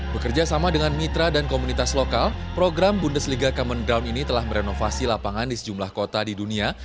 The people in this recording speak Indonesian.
bekerja sama dengan mitra dan komunitas lokal program bundesliga common ground ini telah merenovasi lapangan di sejumlah kota di dunia